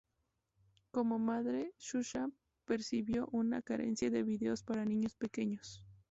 Como madre, Xuxa percibió una carencia de videos para niños pequeños.